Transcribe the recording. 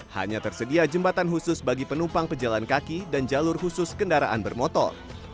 hanya tersedia jembatan khusus bagi penumpang pejalan kaki dan jalur khusus kendaraan bermotor